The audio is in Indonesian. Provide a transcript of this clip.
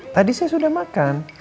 tadi saya sudah makan